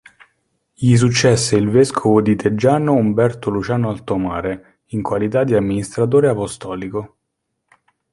Gli successe il vescovo di Teggiano Umberto Luciano Altomare, in qualità di amministratore apostolico.